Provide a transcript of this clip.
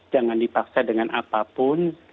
jangan dipaksa dengan apapun